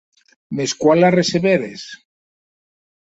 Mès quan la receberes?